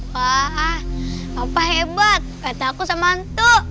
wah bapak hebat nggak takut sama hantu